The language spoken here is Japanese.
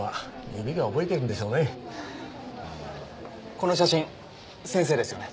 この写真先生ですよね？